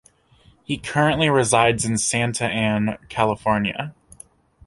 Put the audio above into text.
He currently resides in Santa Ana, California.